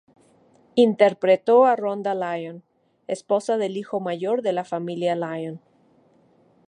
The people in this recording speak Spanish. Interpretó a Rhonda Lyon, esposa del hijo mayor de la familia Lyon.